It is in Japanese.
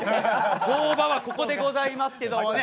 相場はここでございますけどね。